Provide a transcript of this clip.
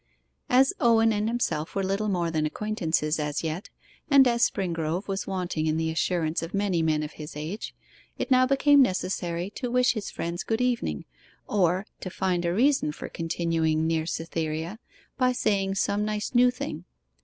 As Owen and himself were little more than acquaintances as yet, and as Springrove was wanting in the assurance of many men of his age, it now became necessary to wish his friends good evening, or to find a reason for continuing near Cytherea by saying some nice new thing.